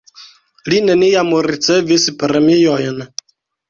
Li neniam ricevis premiojn.